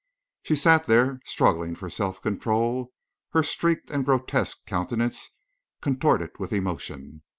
She sat there, struggling for self control, her streaked and grotesque countenance contorted with emotion.